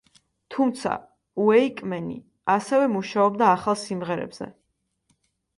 თუმცა, უეიკმენი ასევე მუშაობდა ახალ სიმღერებზე.